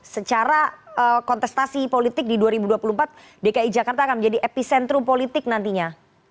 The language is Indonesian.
secara kontestasi politik di dua ribu dua puluh empat dki jakarta akan menjadi epicentrum politik nantinya